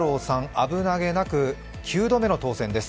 危なげなく９度目の当選です。